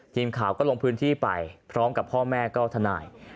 ทีมข่าวก็ลงพื้นที่ไปพร้อมกับพ่อแม่ก็ทนาย